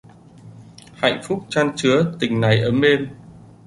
Hạnh phúc chan chứa tình này ấm êm.